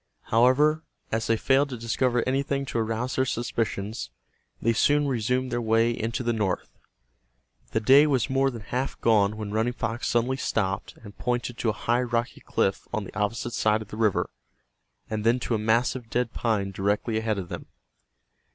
However, as they failed to discover anything to arouse their suspicions, they soon resumed their way into the north. The day was more than half gone when Running Fox suddenly stopped, and pointed to a high rocky cliff on the opposite side of the river, and then to a massive dead pine directly ahead of them.